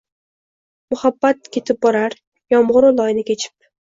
Muhabbat ketib borar, yomg‘iru loyni kechib